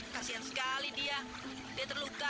kasian sekali dia dia terluka